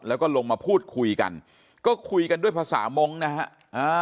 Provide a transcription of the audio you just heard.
แล้วก็ลงมาพูดคุยกันก็คุยกันด้วยภาษามงค์นะฮะ